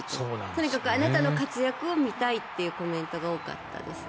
とにかくあなたの活躍を見たいというコメントが多かったですね。